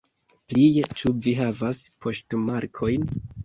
Plie, ĉu vi havas poŝtmarkojn?